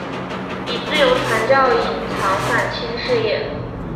以自由传教隐藏反清事业。